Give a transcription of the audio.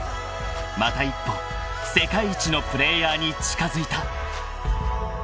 ［また一歩世界一のプレーヤーに近づいた］